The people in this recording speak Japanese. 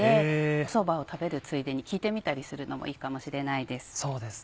おそばを食べるついでに聞いてみたりするのもいいかもしれないです。